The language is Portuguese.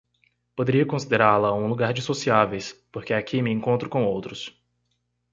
poderia considerá-la um lugar de sociáveis, porque aqui me encontro com outros.